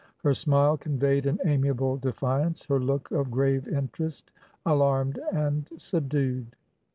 Her smile conveyed an amiable defiance; her look of grave interest alarmed and subdued.